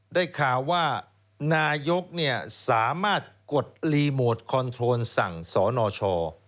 ได้ข่าวว่านายกสามารถกดสั่งสนช